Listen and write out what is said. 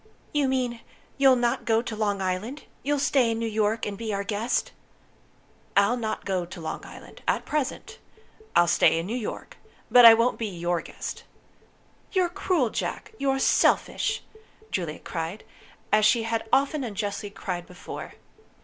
"You mean, you'll not go to Long Island? You'll stay in New York, and be our guest?" "I'll not go to Long Island at present. I'll stay in New York. But I won't be your guest." "You're cruel, Jack! You're selfish!" Juliet cried, as she had often unjustly cried before.